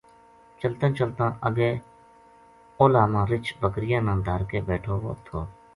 چلتاں چلتاں اگے اُلہا ما رچھ بکریاں نا دھر کے بیٹھو وو تھو